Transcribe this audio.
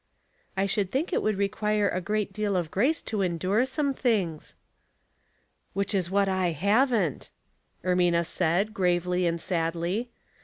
'• I should think it would require a great deal of grace to endure some things." " Which is what I haven't," Ermina said, gravely and sadly.